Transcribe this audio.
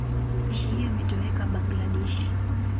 Spishi hiyo imetoweka Bangladesh.